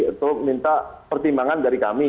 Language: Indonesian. untuk minta pertimbangan dari kami